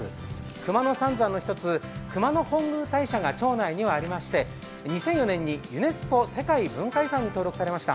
熊野三山の一つ、熊野本宮大社がありまして、２００４年にユネスコ世界文化遺産に登録されました。